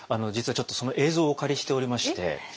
実はちょっとその映像をお借りしておりまして。